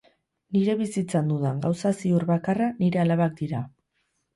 Nire bizitzan dudan gauza ziur bakarra nire alabak dira.